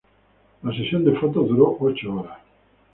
La sesión de fotos duró ocho horas.